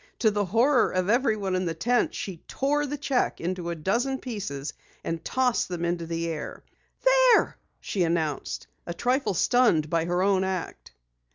To the horror of everyone in the tent, she tore the cheque into a dozen pieces and tossed them into the air. "There!" she announced, a trifle stunned by her own act.